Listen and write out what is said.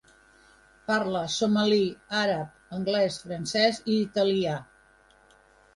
Parla somali, àrab, anglès, francès i italià.